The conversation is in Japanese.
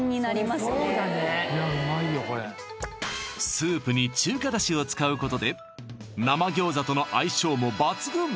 スープに中華だしを使うことで生餃子との相性も抜群！